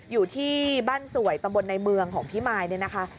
อยู่ที่บ้านสวยตำบลในเมืองของพี่มายเนี่ยนะคะ